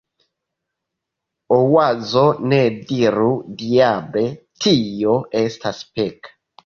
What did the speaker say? Oazo: "Ne diru "Diable!", tio estas peka!"